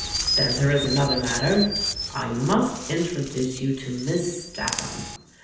Then there is another matter. I must introduce you to Miss Statham.